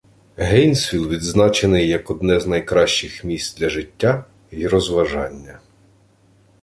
Гейнсвіл відзначений як одне з найкращих місць для життя й розважання.